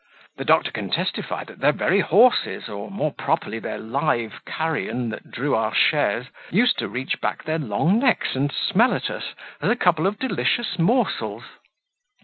The doctor can testify that their very horses, or more properly their live carrion, that drew our chaise, used to reach back their long necks and smell at us, as a couple of delicious morsels."